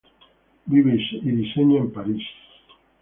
Vive y diseña en Paris.